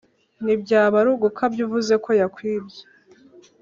ntibyaba ari ugukabya uvuze ko yakwibye